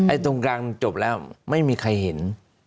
ตรงกลางมันจบแล้วไม่มีใครเห็น